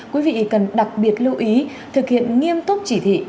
quý vị cần đặc biệt lưu ý thực hiện nghiêm túc chỉ thị